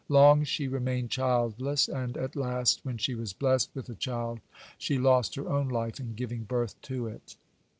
Long she remained childless, and at last, when she was blessed with a child, she lost her own life in giving birth to it.